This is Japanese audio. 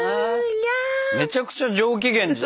めちゃくちゃ上機嫌じゃ。